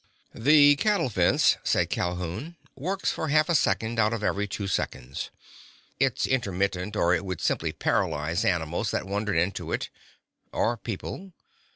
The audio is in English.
"The cattle fence," said Calhoun, "works for half a second out of every two seconds. It's intermittent or it would simply paralyze animals that wandered into it. Or people.